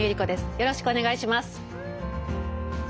よろしくお願いします。